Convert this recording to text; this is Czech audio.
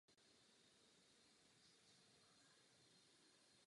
Bydlela zde herečka Milena Dvorská.